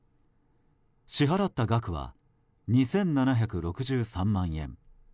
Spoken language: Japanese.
支払った額は２７６３万円。